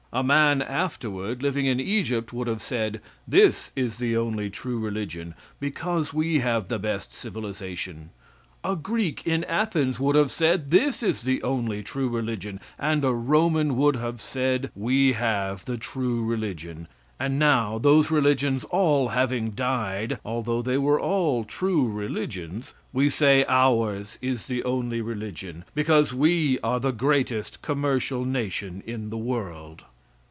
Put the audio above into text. A man afterward living in Egypt would have said, this is the only true religion, because we have the best civilization; a Greek in Athens would have said this is the only true religion, and a Roman would have said we have the true religion, and now those religions all having died, although they were all true religions, we say ours is the only religion, because we are the greatest commercial nation in the world.